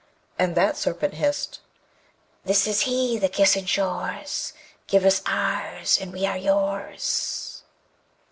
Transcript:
And that Serpent hissed: This is he the kiss ensures: Give us ours, and we are yours.